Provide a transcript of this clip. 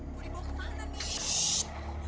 bu dibawa kemana nih